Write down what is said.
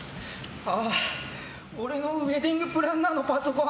ああ、俺のウェディングプランナーのパソコン